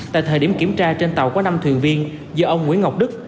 tại thời điểm kiểm tra trên tàu có năm thuyền viên do ông nguyễn ngọc đức